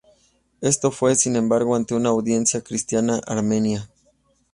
Esto fue, sin embargo, ante una audiencia cristiana armenia.